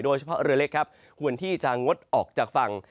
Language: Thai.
โดยเฉพาะเรือเล็กครับควรที่จะงดออกจากฝั่ง